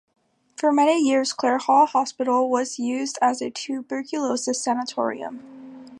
For many years Clare Hall Hospital was used as a tuberculosis sanatorium.